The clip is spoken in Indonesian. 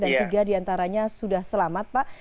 dan tiga diantaranya sudah selamat pak